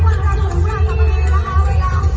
มันเป็นเมื่อไหร่แล้ว